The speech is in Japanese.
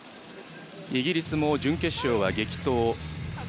イギリスも準決勝は激闘。